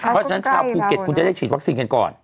เพราะฉะนั้นชาวภูเก็ตคุณจะได้ฉีดวัคซีนกันก่อน